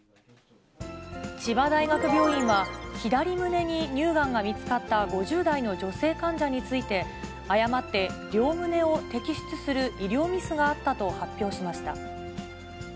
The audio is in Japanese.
千葉大学病院は、左胸に乳がんが見つかった５０代の女性患者について、誤って両胸を摘出する医療ミスがあったと発表しました。